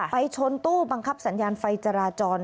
ชนตู้บังคับสัญญาณไฟจราจร